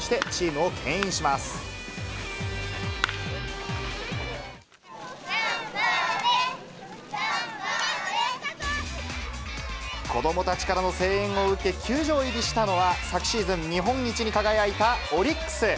がんばーれ、子どもたちからの声援を受け、球場入りしたのは、昨シーズン日本一に輝いたオリックス。